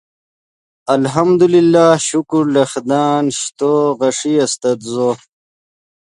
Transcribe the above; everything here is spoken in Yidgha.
الحمد اللہ شکر لے خدان ژے تو غیݰے استت زو